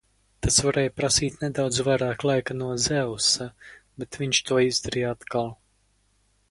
Tas varēja prasīt nedaudz vairāk laika no Zeusa, bet viņš to izdarīja atkal!